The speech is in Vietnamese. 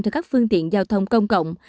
cho các phương tiện giao thông công cộng